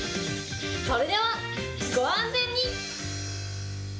それでは、ご安全に。